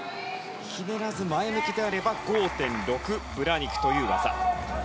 ひねらず前向きであれば５．６ブラニクという技。